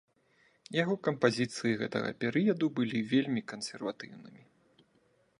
Яго кампазіцыі гэтага перыяду былі вельмі кансерватыўнымі.